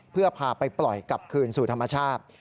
เพื่อพาไปปล่อยกลับคืนสู่ธรรมชาติ